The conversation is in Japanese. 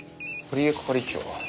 堀江係長。